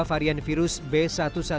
varian baru virus sars cov dua dari luar negeri